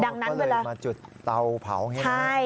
อ๋อก็เลยมาจุดเตาเผาใช่ไหม